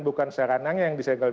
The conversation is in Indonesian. bukan sarananya yang disegel